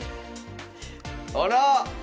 あら！